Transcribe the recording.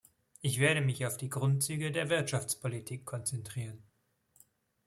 Ich werde mich auf die Grundzüge der Wirtschaftspolitik konzentrieren.